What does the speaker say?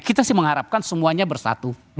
kita sih mengharapkan semuanya bersatu